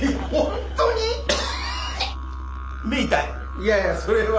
いやいやそれは。